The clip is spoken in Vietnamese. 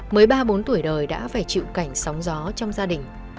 mới ba bốn tuổi đời đã phải chịu cảnh sóng gió trong gia đình